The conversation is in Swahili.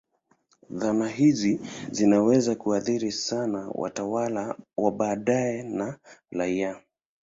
Dhana hizi zinaweza kuathiri sana watawala wa baadaye na raia.